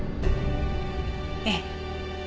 ええ。